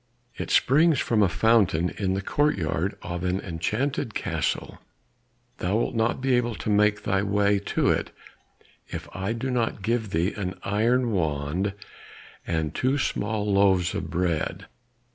It springs from a fountain in the courtyard of an enchanted castle, but thou wilt not be able to make thy way to it, if I do not give thee an iron wand and two small loaves of bread.